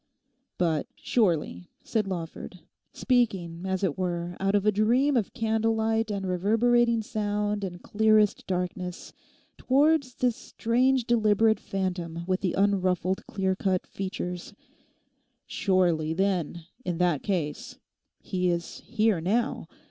'But surely,' said Lawford, speaking as it were out of a dream of candle light and reverberating sound and clearest darkness, towards this strange deliberate phantom with the unruffled clear cut features—'surely then, in that case, he is here now?